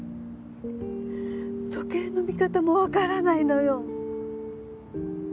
時計の見方もわからないのよ。